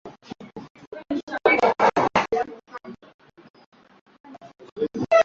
waliendela kutumia Kiswahili kama lugha ya utawala